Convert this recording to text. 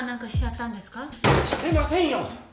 してませんよ！